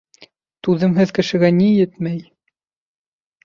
Түҙемһеҙ кешегә ни етмәй?